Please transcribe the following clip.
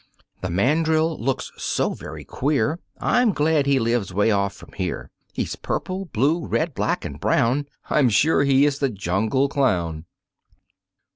The mandrill looks so very queer I'm glad he lives way off from here; He's purple, blue, red, black and brown, I'm sure he is the jungle clown.